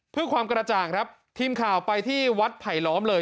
เพื่อความกระจ่างครับทีมข่าวไปที่วัดไผลล้อมเลย